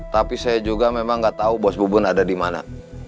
tapi saya juga memang gak tau bos bubun ada dimana